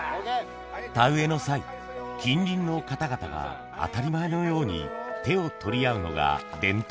田植えの際、近隣の方々が当たり前のように手を取り合うのが伝統。